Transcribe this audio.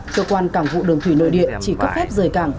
cơ quan cảng vụ đường thủy nội địa chỉ cấp phép rời cảng